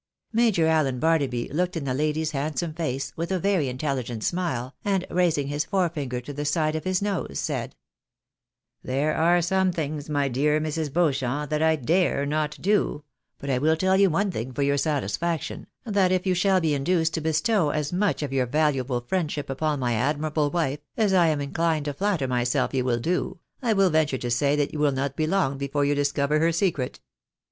" Major Allen Barnaby looked in the lady's handsome face with a very intelligent smile, and raising his fore finger to the side of his nose, said— " There are some things, my dear Mrs. Beauchamp, that I dare not do ; but I will tell you one thing for your satisfaction, that if you shall be induced to bestow as much of your valuable friendship upon my admirable wife, as I am inclined to flatter myself you will do, I will venture to say that you will not be long before you dis cover her secret.